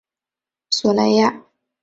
索莱亚。